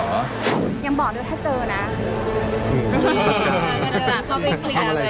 ยังบอกด้วยถ้าเจอนะเข้าไปเคลียร์ไง